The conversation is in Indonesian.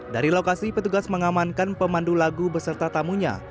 dari lokasi petugas mengamankan pemandu lagu beserta tamunya